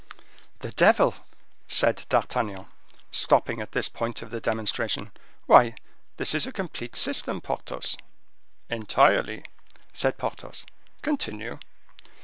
"The devil!" said D'Artagnan, stopping at this point of the demonstration; "why, this is a complete system, Porthos." "Entirely," said Porthos. "Continue."